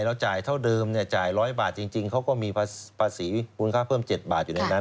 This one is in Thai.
เราจ่ายเท่าเดิมจ่าย๑๐๐บาทจริงเขาก็มีภาษีมูลค่าเพิ่ม๗บาทอยู่ในนั้น